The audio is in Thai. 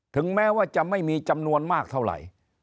ถึงแม้ว่าจะไม่มีจำนวนมากเท่าไหร่